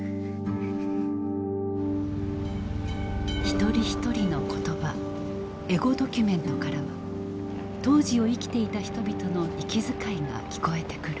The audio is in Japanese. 一人一人の言葉エゴドキュメントからは当時を生きていた人々の息遣いが聞こえてくる。